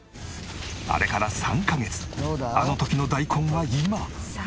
あれから３カ月あの時の大根は今。